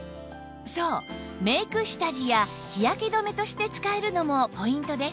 そうメイク下地や日焼け止めとして使えるのもポイントです